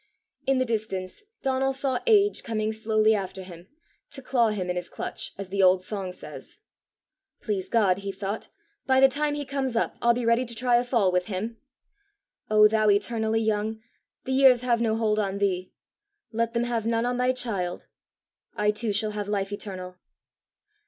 In the distance Donal saw Age coming slowly after him, to claw him in his clutch, as the old song says. "Please God," he thought, "by the time he comes up, I'll be ready to try a fall with him! O Thou eternally young, the years have no hold on thee; let them have none on thy child. I too shall have life eternal."